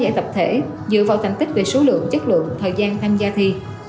dựa vào thành tích về số lượng chất lượng thời gian tham gia thi